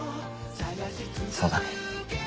そうだね。